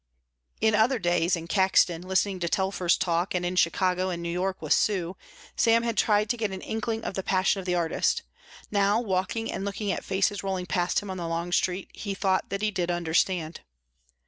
In other days, in Caxton, listening to Telfer's talk, and in Chicago and New York with Sue, Sam had tried to get an inkling of the passion of the artist; now walking and looking at the faces rolling past him on the long street he thought that he did understand.